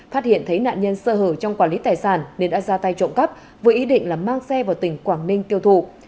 phát hiện thấy nạn nhân sơ hở trong quản lý tài sản nên đã ra tay trộm cắp với ý định là mang xe vào tỉnh quảng ninh tiêu thụ